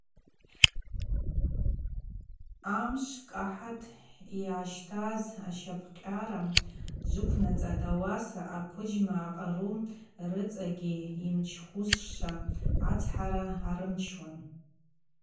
Амшв кӏахӏатӏ, йъащтӏаз ащапӏкъьара джвыквнацӏатӏ, ауаса аквыджьма акъару рыцӏагьи йымчхауазшва ацхӏара арымчуан.